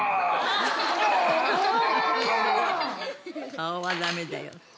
「顔はダメだよって。